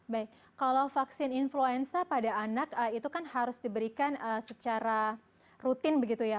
baik kalau vaksin influenza pada anak itu kan harus diberikan secara rutin begitu ya